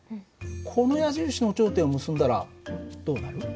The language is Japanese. この矢印の頂点を結んだらどうなる？